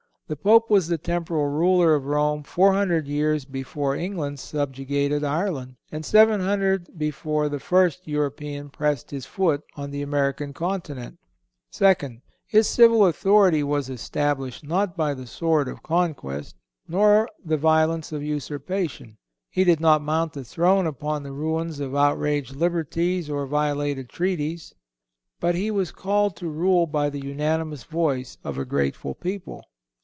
The Pope was the temporal ruler of Rome four hundred years before England subjugated Ireland, and seven hundred before the first European pressed his foot on the American continent. Second—His civil authority was established not by the sword of conquest, nor the violence of usurpation. He did not mount the throne upon the ruins of outraged liberties or violated treaties; but he was called to rule by the unanimous voice of a grateful people.